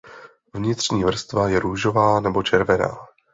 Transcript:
Vnitřní vrstva je růžová nebo červená.